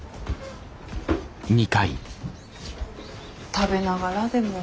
食べながらでも？